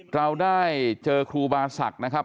เราได้เจอครูบาศักดิ์นะครับ